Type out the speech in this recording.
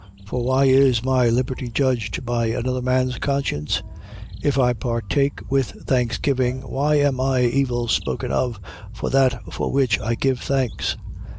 For why is my liberty judged by another man's conscience? 10:30. If I partake with thanksgiving, why am I evil spoken of for that for which I give thanks?